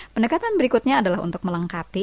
pendekatan berikutnya adalah untuk melengkapi